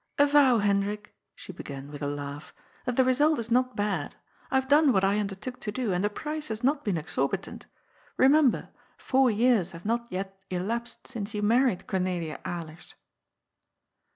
" Avow, Hendrik," she began, with a laugh, " that the re sult is not bad. I have done what I undertook to do, and the price has not been exorbitant. Bemember, four years have not yet elapsed since you married Cornelia Alers."